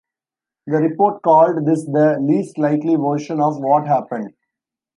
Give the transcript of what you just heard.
The report called this the "least likely version" of what happened.